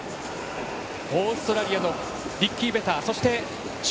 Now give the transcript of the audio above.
オーストラリアのリッキー・ベター。